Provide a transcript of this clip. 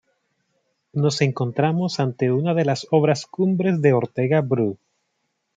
Nos encontramos ante una de las obras cumbres de Ortega Bru.